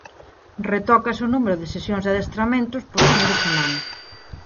Retócase o número de sesións de adestramentos por fin de semana.